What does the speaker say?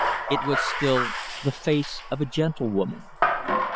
It was, still, the face of a gentlewoman.